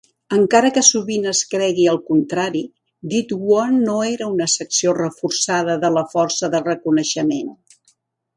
Encara que sovint es cregui el contrari, Det One no era una secció reforçada de la Força de Reconeixement.